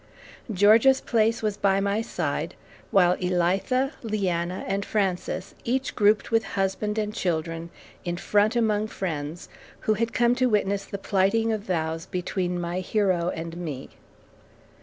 Georgia's place was by my side, while Elitha, Leanna, and Frances each grouped with husband and children in front among friends, who had come to witness the plighting of vows between my hero and me.